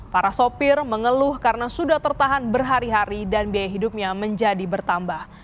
para sopir mengeluh karena sudah tertahan berhari hari dan biaya hidupnya menjadi bertambah